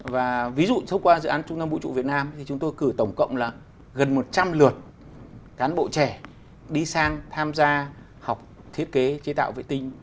và ví dụ thông qua dự án trung tâm vũ trụ việt nam thì chúng tôi cử tổng cộng là gần một trăm linh lượt cán bộ trẻ đi sang tham gia học thiết kế chế tạo vệ tinh